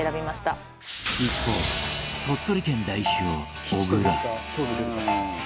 一方鳥取県代表小椋